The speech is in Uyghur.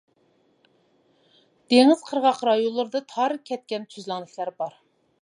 دېڭىز قىرغاق رايونلىرىدا تار كەتكەن تۈزلەڭلىكلەر بار.